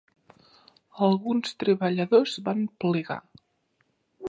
Alguns treballadors van plegar?